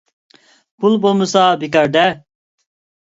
پۇل بولمىسا بىكار - دە!